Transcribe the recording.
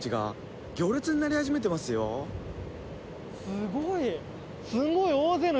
すごい！